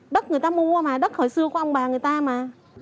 đất người ta mua mà đất hồi xưa qua ông bà người ta mà